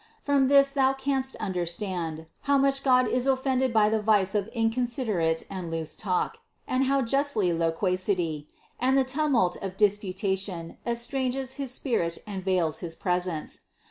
From this thou canst understand, how much God is offended by the vice of inconsiderate and loose talk, and how justly loquacity, and the tumult of disputation estranges his spirit and veils his presence.